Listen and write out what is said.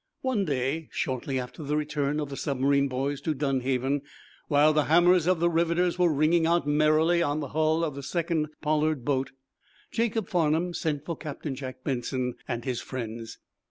One day, shortly after the return of the submarine boys to Dunhaven, while the hammers of the riveters were ringing out merrily on the hull of the second Pollard boat, Jacob Farnum sent for Captain Jack Benson and his friends.